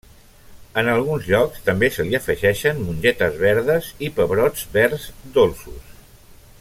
En alguns llocs també se li afegeixen mongetes verdes i pebrots verds dolços.